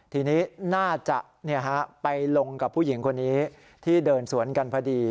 ทีนี้น่าจะไปลงกับผู้หญิงคนนี้ที่เดินสวนกันพอดี